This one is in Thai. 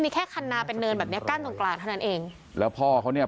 มีแค่คันนาเป็นเนินแบบเนี้ยกั้นตรงกลางเท่านั้นเองแล้วพ่อเขาเนี้ย